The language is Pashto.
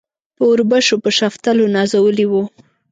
په اوربشو په شفتلو نازولي وو.